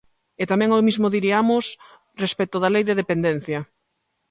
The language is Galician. E tamén o mesmo diriamos respecto da Lei de dependencia.